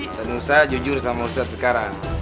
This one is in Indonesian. nusa jujur sama ustadz sekarang